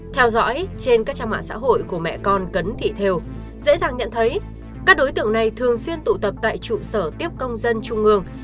theo dõi trên các trang mạng xã hội của mẹ con cấn thị thều dễ dàng nhận thấy các đối tượng này thường xuyên tụ tập tại trụ sở tiếp công dân trung ương